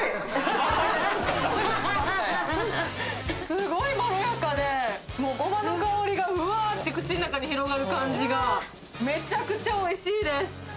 すごいまろやかでごまの香りがフワンて口の中に広がる感じがメチャクチャおいしいです